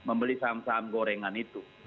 membeli saham saham gorengan itu